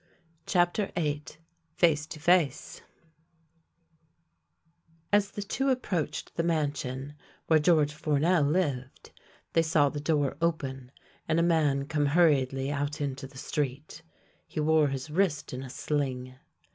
CHAPTER VIII FACE TO FACE AS the two approached the mansion where George Fournel lived, they saw the door open and a man come hurriedly out into the street. He wore his wrist in a sling.